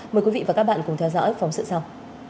mời quý vị và các bạn cùng theo dõi phóng sự sau